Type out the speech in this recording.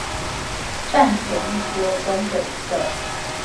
站前一街東北側